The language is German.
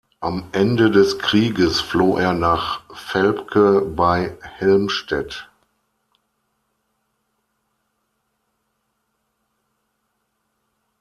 Am Ende des Krieges floh er nach Velpke bei Helmstedt.